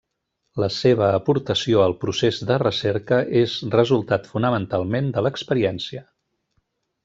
La seva aportació al procés de recerca és resultat fonamentalment de l'experiència.